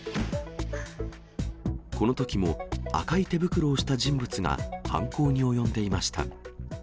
このときも、赤い手袋をした人物が犯行に及んでいました。